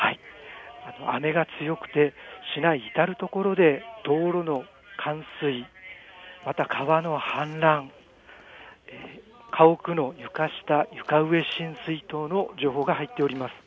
雨が強くて、市内至る所で道路の冠水、また川の氾濫、家屋の床下、床上浸水等の情報が入っております。